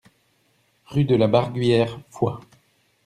Rue de la Barguillère, Foix